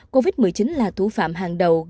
covid một mươi chín là thủ phạm hàng đầu